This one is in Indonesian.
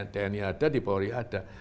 tni ada di polri ada